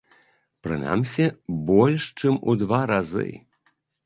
Прынамсі, больш чым у два разы.